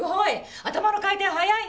頭の回転早いね。